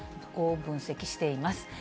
こう分析しています。